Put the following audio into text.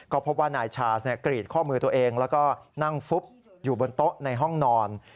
ก็พบว่านายชาสกรีดข้อมือตัวเองแล้วก็นั่งฟุบอยู่บนโต๊ะในห้องนอน